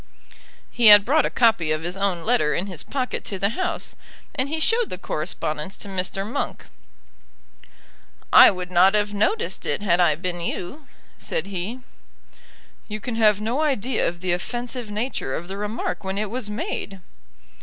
He had brought a copy of his own letter in his pocket to the House, and he showed the correspondence to Mr. Monk. "I would not have noticed it, had I been you," said he. "You can have no idea of the offensive nature of the remark when it was made."